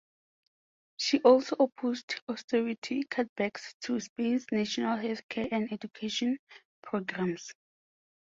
She also opposed austerity cutbacks to Spain's national healthcare and education programmes.